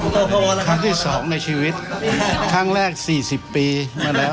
วันนี้คำที่สองในชีวิตครั้งแรกสี่สิบปีมาแล้ว